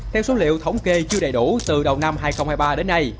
theo số liệu thống kê chưa đầy đủ từ đầu năm hai nghìn hai mươi ba đến nay